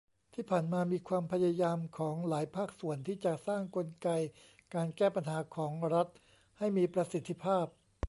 ที่ผ่านมามีความพยายามของหลายภาคส่วน ที่จะสร้างกลไกการแก้ปัญหาของรัฐให้มีประสิทธิภาพ